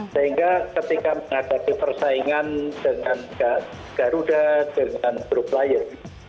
sehingga ketika menghadapi persaingan dengan garuda dengan pro player